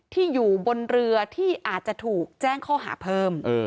ที่อยู่บนเรือที่อาจจะถูกแจ้งข้อหาเพิ่ม